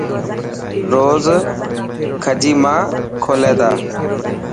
روز کجي مان کولي تا.